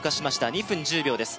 ２分１０秒です